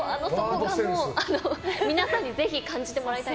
皆さんにぜひ感じてもらいたい。